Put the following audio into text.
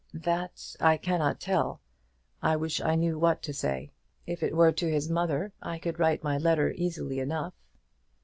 "That I cannot tell. I wish I knew what to say. If it were to his mother I could write my letter easily enough."